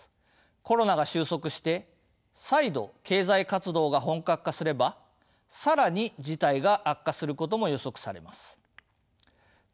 コロナが収束して再度経済活動が本格化すれば更に事態が悪化することも予測されます。